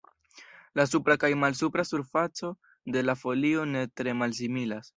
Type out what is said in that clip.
La supra kaj malsupra surfaco de la folio ne tre malsimilas.